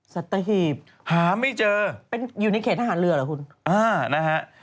สัตเทฮีบเป็นยูนิเครตทหารเรือเหรอคุณหาไม่เจอ